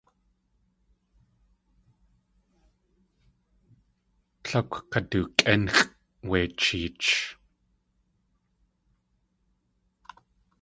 Tlákw kadukʼénxʼ wé cheech.